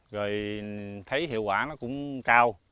rồi thấy hiệu quả nó cũng cao